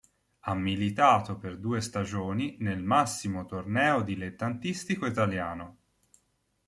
Ha militato per due stagioni nel massimo torneo dilettantistico italiano.